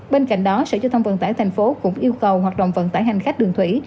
bên cạnh đó sở giao thông vận tải thành phố cũng yêu cầu hoạt động vận tải hành khách đường thủy